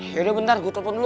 yaudah bentar gue telfon dulu